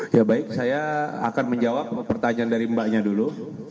ya baik saya akan menjawab pertanyaan dari mbaknya dulu